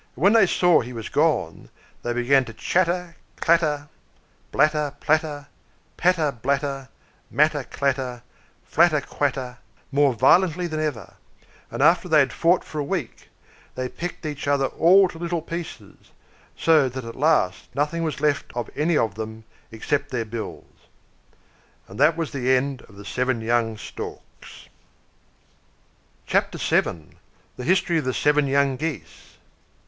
And when they saw that he was gone, they began to chatter clatter, blatter platter, patter blatter, matter clatter, flatter quatter, more violently than ever; and after they had fought for a week, they pecked each other all to little pieces, so that at last nothing was left of any of them except their bills. And that was the end of the seven young Storks. CHAPTER VII. THE HISTORY OF THE SEVEN YOUNG GEESE.